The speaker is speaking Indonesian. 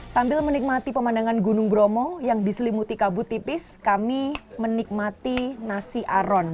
sambil menikmati pemandangan gunung bromo yang diselimuti kabut tipis kami menikmati nasi aron